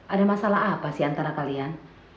ada masalah apa sih antara kalian